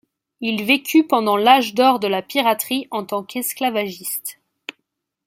Il vécut pendant l’âge d'or de la piraterie en tant qu'esclavagiste.